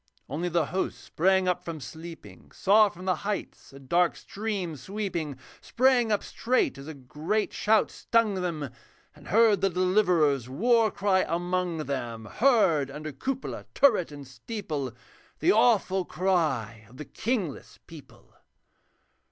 Only the hosts sprang up from sleeping, Saw from the heights a dark stream sweeping; Sprang up straight as a great shout stung them, And heard the Deliverer's war cry among them, Heard under cupola, turret, and steeple The awful cry of the kingless people.